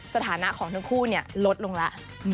สถานะของทั้งคู่ลดลงแล้ว